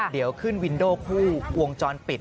เดี๋ยวขึ้นวินโดคู่วงจรปิด